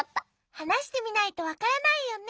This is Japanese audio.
はなしてみないとわからないよね。